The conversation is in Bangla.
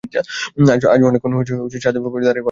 আজ অনেকক্ষণ ছাদে দাঁড়িয়ে পাহাড় দেখলাম।